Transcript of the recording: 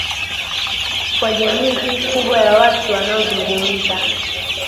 kwa jamii hii kubwa ya watu wanaozungumza